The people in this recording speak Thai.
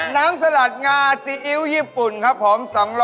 สลัดงาซีอิ๊วญี่ปุ่นครับผม